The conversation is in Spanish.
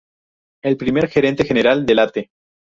El primer gerente general de Late!